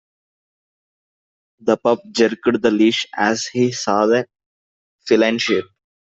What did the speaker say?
The pup jerked the leash as he saw a feline shape.